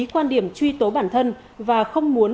quan điểm truy tố bản thân và không muốn